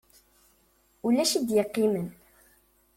Ulac i d-yeqqimen.